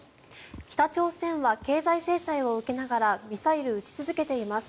北朝鮮は経済制裁を受けながらミサイル撃ち続けています。